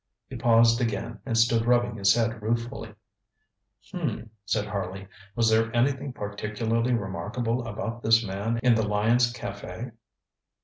ŌĆØ He paused again and stood rubbing his head ruefully. ŌĆ£H'm,ŌĆØ said Harley; ŌĆ£was there anything particularly remarkable about this man in the Lyons' cafe?